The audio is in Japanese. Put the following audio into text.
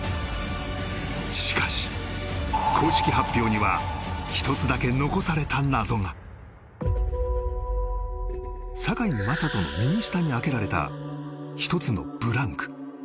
しかし公式発表には一つだけ残された謎が堺雅人の右下に空けられた一つのブランク